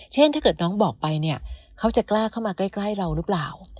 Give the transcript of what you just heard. ถ้าเกิดน้องบอกไปเนี่ยเขาจะกล้าเข้ามาใกล้เราหรือเปล่า